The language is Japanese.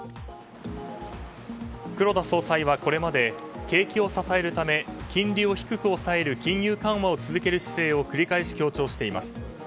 黒田総裁はこれまで景気を支えるため金利を低く抑える金融緩和を続ける姿勢を繰り返し強調しています。